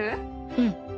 うん。